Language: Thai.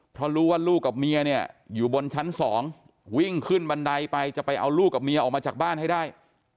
เพราะรู้ว่าลูกกับเมียเนี่ยอยู่บนชั้น๒วิ่งขึ้นบันไดไปจะไปเอาลูกกับเมียออกมาจากบ้านให้ได้